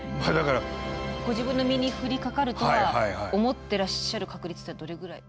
ご自分の身に降りかかるとは思ってらっしゃる確率っていうのはどれぐらい？